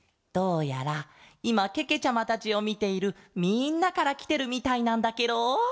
どうやらいまけけちゃまたちをみているみんなからきてるみたいなんだケロ。